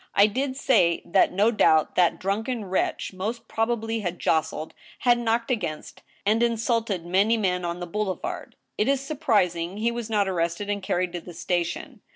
... I did say that no doubt that drunken wretch most probably had jostled, had knocked against, and in sulted many men on the boulevard. ... It is surprising he was not arrested and carried to the station.